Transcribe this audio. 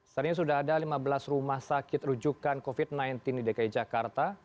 saat ini sudah ada lima belas rumah sakit rujukan covid sembilan belas di dki jakarta